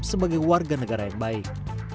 sebagai warga negara yang baik